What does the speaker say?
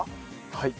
はい。